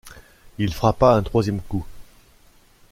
Il frappa un troisième coup.